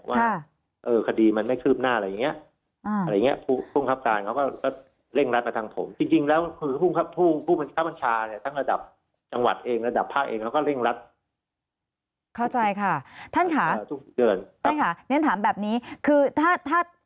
ว่าคดีมันไม่คืบหน้าอะไรเงี้ย